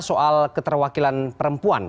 soal keterwakilan perempuan